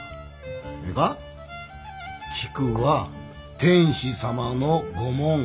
ええか菊は天子様の御紋。